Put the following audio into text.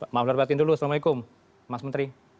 maaf berbatin dulu assalamualaikum mas menteri